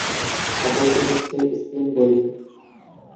অপরটি হচ্ছে spin bowling.